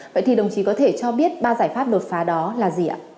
vậy thì đồng chí có thể cho biết ba giải pháp đột phá đó là gì ạ